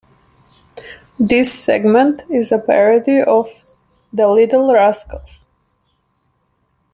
This segment is a parody of "The Little Rascals".